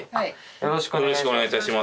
よろしくお願いします